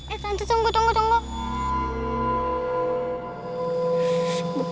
eh tante tunggu tunggu